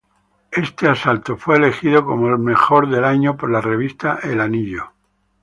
Este asalto fue elegido como el mejor del año por la revista "The Ring".